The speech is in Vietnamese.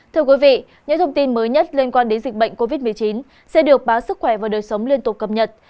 thưa quý vị những thông tin mới nhất liên quan đến dịch bệnh covid một mươi chín sẽ được báo sức khỏe và đời sống liên tục cập nhật